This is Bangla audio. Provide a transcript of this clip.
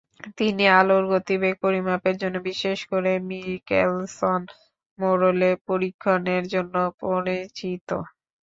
তিনি আলোর গতিবেগ পরিমাপের জন্য বিশেষ করে মিকেলসন-মোরলে পরিক্ষণের জন্য পরিচিত।